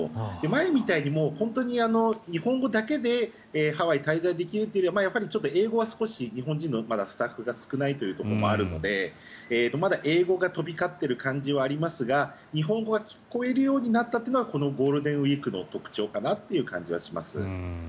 前みたいに日本語だけでハワイ滞在できるというよりは英語もまだ日本人のスタッフが少ないということもあるのでまだ英語が飛び交っている感じはありますが日本語が聞こえるようになったというのはこのゴールデンウィークの特徴かなという感じがします。